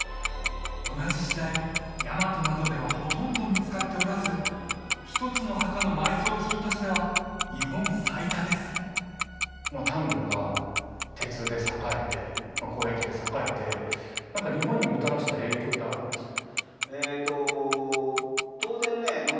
同じ時代大和などではほとんど見つかっておらず一つの墓の埋葬品としては日本最多ですまあ丹後が鉄で栄えて交易で栄えて何か日本にもたらした影響ってあるんですか？